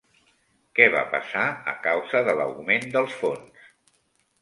Què va passar a causa de l'augment dels fons?